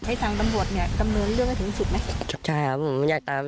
ให้ทางตำรวจเนี้ยดำเนินเรื่องให้ถึงสุดไหม